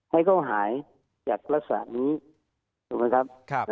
ให้เขาหายจากลักษณะนี้ถูกไหมครับ